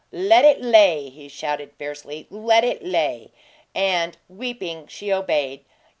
"Let it lay!" he shouted, fiercely. "Let it lay!" And, weeping, she obeyed.